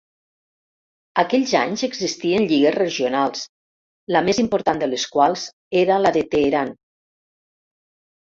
Aquells anys existien lligues regionals, la més important de les quals era la de Teheran.